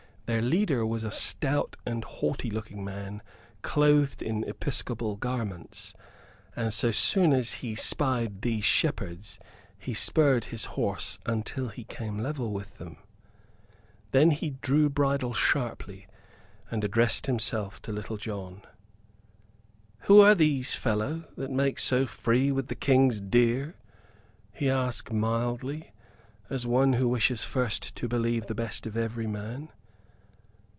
Their leader was a stout and haughty looking man clothed in episcopal garments, and so soon as he spied these shepherds he spurred his horse until he came level with them. Then he drew bridle sharply, and addressed himself to Little John. "Who are these, fellow, that make so free with the King's deer?" he asked, mildly, as one who wishes first to believe the best of every man.